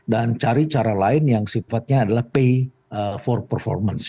dan cari cara lain yang sifatnya adalah pay for performance